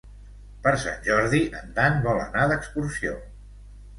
Per Sant Jordi en Dan vol anar d'excursió.